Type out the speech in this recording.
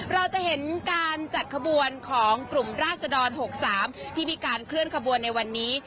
เราจะเห็นการจัดขบวนของกลุ่มราศดร๖๓ที่มีการเคลื่อนขบวนในวันนี้